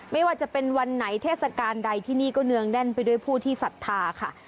ไม่ว่าจะเป็นวันไหนเทศกาลใดที่นี่ก็เนืองแน่นไปด้วยผู้ที่ศรัทธาค่ะ